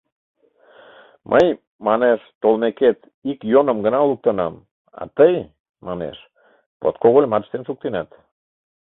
Мый, манеш, толмекет, ик йоным гына луктынам, а тый, манеш, подкогыльымат ыштен шуктенат.